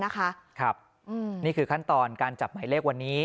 นี่คือขั้นตอนการจับหมายเลขวันนี้